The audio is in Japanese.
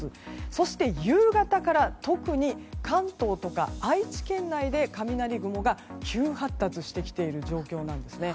そして夕方から特に関東とか愛知県内で雷雲が急発達してきている状況なんです。